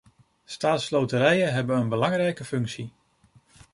Staatsloterijen hebben een belangrijke functie.